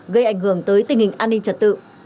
gây ảnh hưởng tới tình hình an ninh trật tự